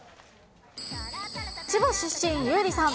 千葉出身、優里さん。